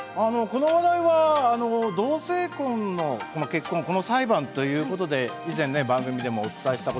この話題は同性婚の結婚裁判ということで以前ね番組でもお伝えしたことがあるんですよね。